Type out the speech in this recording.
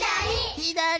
ひだり！